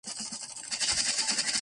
Engh was born in New York City.